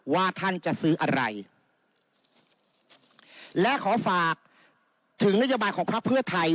ว่าท่านจะซื้ออะไรและขอฝากถึงนโยบายของพักเพื่อไทย